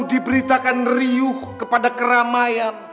diberitakan riuh kepada keramaian